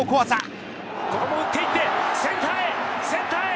ここを打っていってセンターへ、センターへ。